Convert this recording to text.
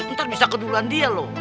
ntar bisa keduluan dia loh